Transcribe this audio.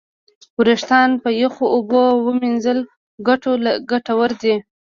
وېښتيان په یخو اوبو وینځل ګټور دي.